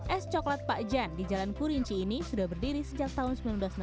es coklat pak jan di jalan kurinci ini sudah berdiri sejak tahun seribu sembilan ratus enam puluh